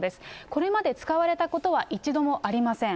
これまで使われたことは一度もありません。